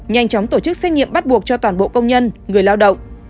nhanh chóng tổ chức xét nghiệm bắt buộc cho toàn bộ công nhân người lao động